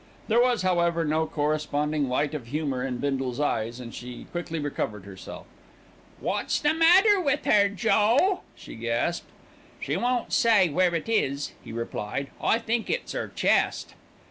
There was, however, no corresponding light of humour in Bindle's eyes, and she quickly recovered herself. "What's the matter with 'er, Joe?" she gasped. "She won't say where it is," he replied. "I think it's 'er chest."